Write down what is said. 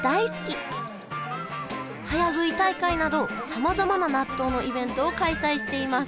早食い大会などさまざまな納豆のイベントを開催しています